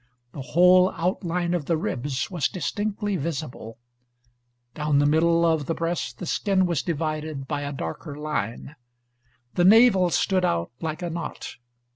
The whole outline of the ribs was distinctly visible; down the middle of the breast the skin was divided by a darker line; the navel stood out, like a knot.